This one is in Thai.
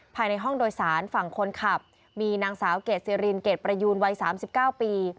ภายในห้องโดยสารฝั่งคนขับมีนางสาวเกดซิรินเกรดประยูนวัย๓๙ปี